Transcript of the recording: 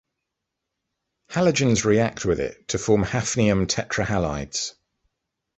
Halogens react with it to form hafnium tetrahalides.